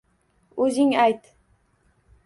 O’zing ayt.